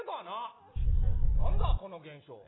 なんだ、この現象。